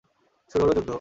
শুরু হল যুদ্ধ।